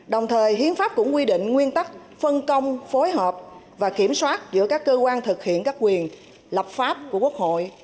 đồng thời hiến pháp cũng quy định nguyên tắc phân công phối hợp và kiểm soát giữa các cơ quan thực hiện các quyền lập pháp của quốc hội